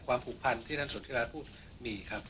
ความผูกพันที่นั้นส่วนที่เราพูดมีครับ